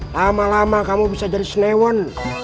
lama lama kamu bisa jadi senewon